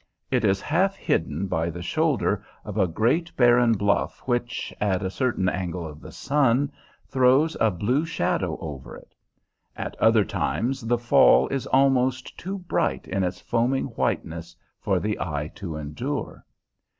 It is half hidden by the shoulder of a great barren bluff which, at a certain angle of the sun, throws a blue shadow over it. At other times the fall is almost too bright in its foaming whiteness for the eye to endure.